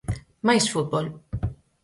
Máis fútbol.